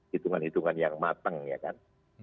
hitungan hitungan yang matang ya kan